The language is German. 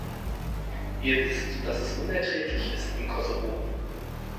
Ihr wisst, dass es unerträglich ist im Kosovo.